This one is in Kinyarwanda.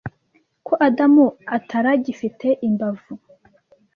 ko adamu ataragifite imbavu